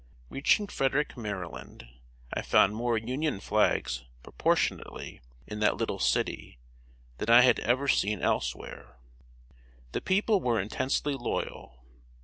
Reaching Frederick, Maryland, I found more Union flags, proportionately, in that little city, than I had ever seen elsewhere. The people were intensely loyal.